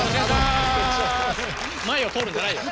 前を通るんじゃないよ。